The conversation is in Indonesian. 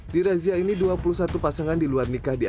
di merazia ini dua puluh satu pasangan diluar nikah di amerika